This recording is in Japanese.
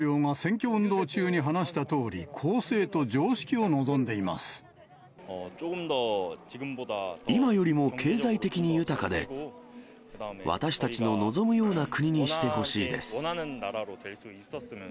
ユン大統領が選挙運動中に話したとおり、公正と常識を望んで今よりも経済的に豊かで、私たちの望むような国にしてほしいです。